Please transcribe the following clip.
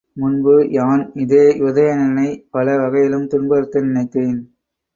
முன்பு யான் இதே உதயணனைப் பல வகையிலும் துன்புறுத்த நினைத்தேன்.